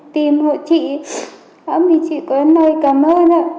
tìm hộ chị hỗn hợp với chị có lời cảm ơn ạ